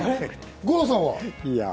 五郎さんは？